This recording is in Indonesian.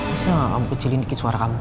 bisa gak aku kecilin suara kamu